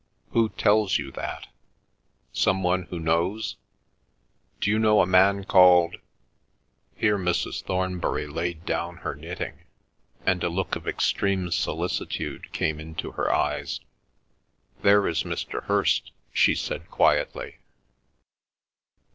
"Who tells you that? Some one who knows? D'you know a man called—?" Here Mrs. Thornbury laid down her knitting, and a look of extreme solicitude came into her eyes. "There is Mr. Hirst," she said quietly.